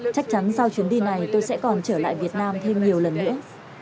chắc chắn sau chuyến đi này tôi sẽ còn trở lại việt nam thêm nhiều lần nữa